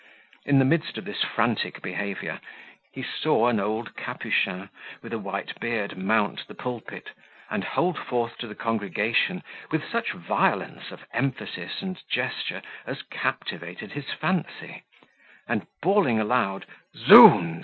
In the midst of this frantic behaviour, he saw an old Capuchin, with a white beard, mount the pulpit, and hold forth to the congregation with such violence of emphasis and gesture, as captivated his fancy; and, bawling aloud, "Zounds!